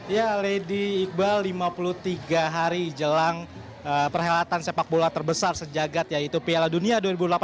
ya lady iqbal lima puluh tiga hari jelang perhelatan sepak bola terbesar sejagat yaitu piala dunia dua ribu delapan belas